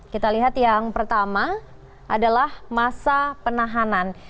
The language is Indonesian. kita lihat yang pertama adalah masa penahanan